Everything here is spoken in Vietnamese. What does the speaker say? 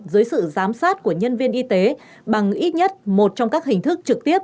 dưới sự giám sát của nhân viên y tế bằng ít nhất một trong các hình thức trực tiếp